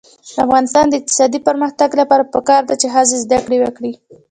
د افغانستان د اقتصادي پرمختګ لپاره پکار ده چې ښځې زده کړې وکړي.